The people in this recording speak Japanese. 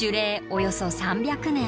およそ３００年。